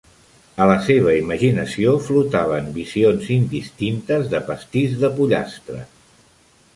A la seva imaginació flotaven visions indistintes de pastís de pollastre.